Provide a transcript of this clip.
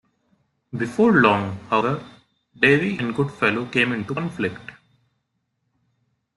Before long, however, Davy and Goodfellow came into conflict.